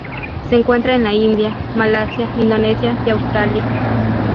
Se encuentra en la India, Malasia, Indonesia y Australia.